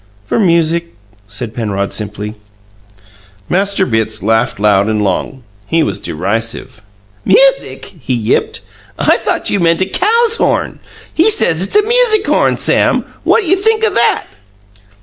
"For music," said Penrod simply. Master Bitts laughed loud and long; he was derisive. "Music!" he yipped. "I thought you meant a cow's horn! He says it's a music horn, Sam? What you think o' that?"